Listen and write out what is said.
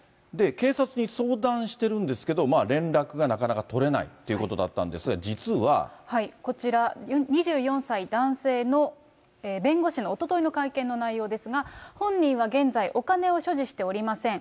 警察に相談してるんですけど、連絡がなかなか取れないっていうここちら、２４歳男性の弁護士のおとといの会見の内容ですが、本人は現在、お金を所持しておりません。